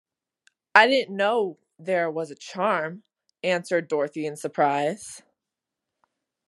"I didn't know there was a charm," answered Dorothy, in surprise.